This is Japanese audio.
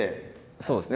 そうですね